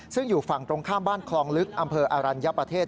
ซึ่งอยู่ฝั่งตรงข้ามบ้านคลองลึกอำเภออรัญญประเทศ